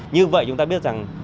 như vậy chúng ta biết rằng